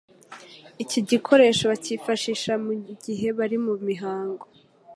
iki gikoresho bakifashisha mu gihe bari mu mihango;